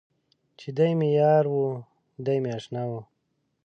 چې دی مې یار و دی مې اشنا و.